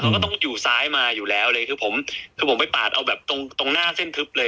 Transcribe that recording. เขาก็ต้องอยู่ซ้ายมาอยู่แล้วเลยคือผมคือผมไปปาดเอาแบบตรงตรงหน้าเส้นทึบเลย